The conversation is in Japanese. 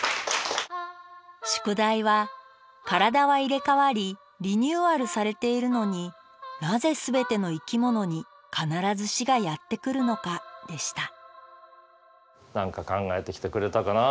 宿題は「体は入れ替わりリニューアルされているのになぜ全ての生き物に必ず死がやってくるのか」でした何か考えてきてくれたかな？